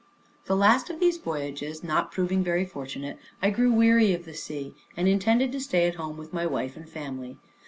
The last of these voyages not proving very fortunate, I grew weary of the sea, and intended to stay at home with my wife and family.